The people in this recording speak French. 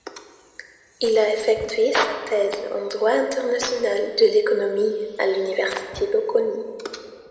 Il a effectué sa thèse en droit international de l’économie à l’Université Bocconi.